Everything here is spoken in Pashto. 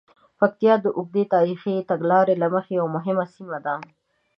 پکتیا د اوږدې تاریخي تګلارې له مخې یوه مهمه سیمه ده.